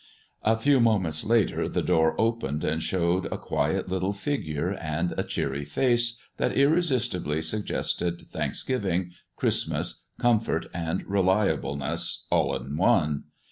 A few moments later the door opened and showed a quiet little figure and a cheery face that irresistibly suggested Thanksgiving, Christmas, comfort, and reliableness, all in one.